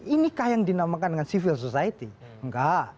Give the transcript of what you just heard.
ini kah yang dinamakan dengan civil society enggak